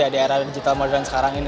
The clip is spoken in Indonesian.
di era digital modern sekarang ini